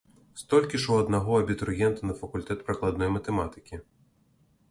Столькі ж у аднаго абітурыента на факультэт прыкладной матэматыкі.